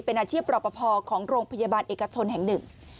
เป็นอาชีพรอปภของโรงพยาบาลเอกชนแห่งหนึ่ง